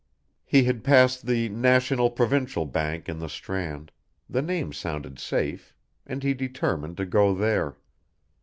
He had passed the National Provincial Bank in the Strand, the name sounded safe and he determined to go there.